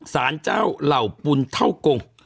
สารเจ้าเหล่าปุณเท่ากง